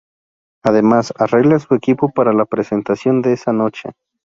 Además, arregla su equipo para la presentación de esa noche.